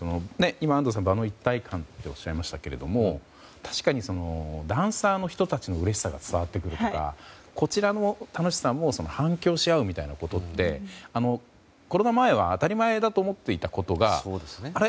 安藤さんは場の一体感とおっしゃいましたけどダンサーの人たちのうれしさが伝わってくるというかこちらの楽しさも反響し合うみたいなことってコロナ前は当たり前だと思っていたことがあれ？